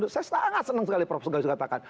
saya sangat senang sekali pak gajus katakan